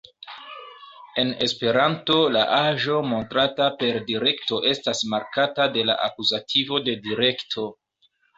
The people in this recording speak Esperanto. En esperanto, la aĵo montrata per direkto estas markata de la akuzativo de direkto.